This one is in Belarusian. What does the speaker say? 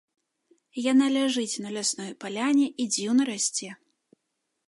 Яна ляжыць на лясной паляне і дзіўна расце.